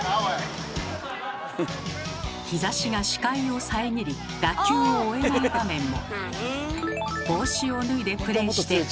日ざしが視界を遮り打球を追えない場面も。